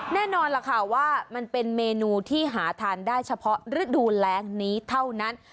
แน่นอนล่ะค่ะว่ามันเป็นเมนูที่หาทานได้เฉพาะฤดูแรงนี้เท่านั้น